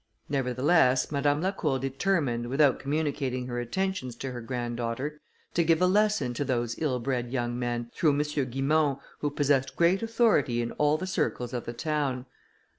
Nevertheless, Madame Lacour determined, without communicating her intentions to her granddaughter, to give a lesson to those ill bred young men, through M. Guimont, who possessed great authority in all the circles of the town.